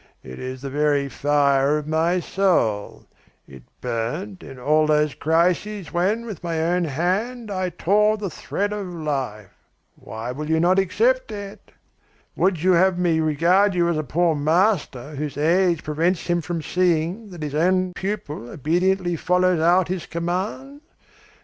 It is the very fire of my soul. It burned in those crises when with my own hand I tore the thread of life. Why will you not accept it? Would you have me regard you as a poor master whose age prevents him from seeing that his own pupil obediently follows out his commands?